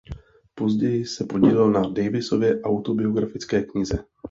Později se podílel na Davisově autobiografické knize.